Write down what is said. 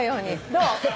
どう？